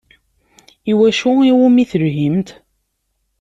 I wacu iwumi telhimt?